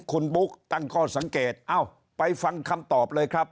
คุณบุ๊คตั้งข้อสังเกตเอ้าไปฟังคำตอบเลยครับ